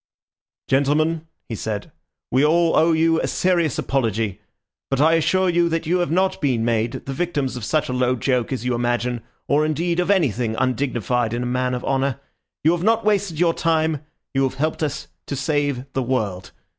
"Gentlemen," he said, "we all owe you a serious apology; but I assure you that you have not been made the victims of such a low joke as you imagine, or indeed of anything undignified in a man of honour. You have not wasted your time; you have helped to save the world.